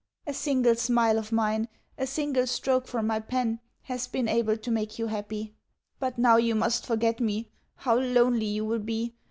A single smile of mine, a single stroke from my pen, has been able to make you happy.... But now you must forget me.... How lonely you will be!